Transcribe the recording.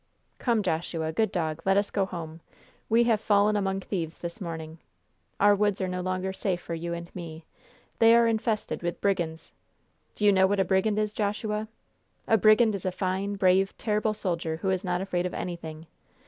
"Come, Joshua, good dog, let us go home. We have 'fallen among thieves' this morning. Our woods are no longer safe for you and me. They are infested with brigands! Do you know what a brigand is, Joshua? A brigand is a fine, brave, terrible soldier, who is not afraid of anything!